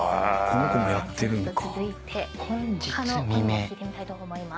じゃあ続いて他の子にも聞いてみたいと思います。